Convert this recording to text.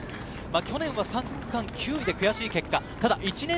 去年は９位で悔しい結果。